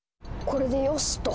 これでよしと。